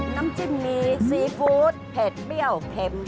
น้ำจิ้มมีซีฟู้ดเผ็ดเปรี้ยวเค็ม